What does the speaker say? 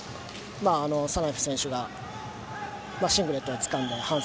サナエフ選手がシングレットを掴んだ